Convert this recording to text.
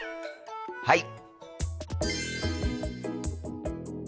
はい！